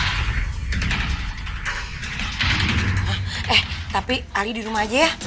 eh tapi ali di rumah aja ya